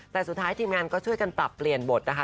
แต่สุดท้ายทีมงานก็ช่วยกันปรับเปลี่ยนบทนะคะ